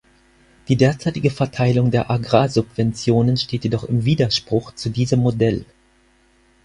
Die derzeitige Verteilung der Agrarsubventionen steht jedoch im Widerspruch zu diesem Modell.